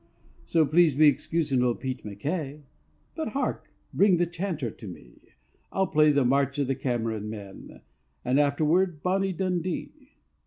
"So please be excusing old Pete MacKay But hark! bring the chanter to me, I'll play the 'March o' the Cameron Men,' And afterward 'Bonnie Dundee.'"